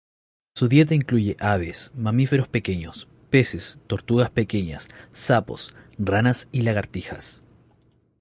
Su dieta incluye aves, mamíferos pequeños, peces, tortugas pequeñas, sapos, ranas y lagartijas.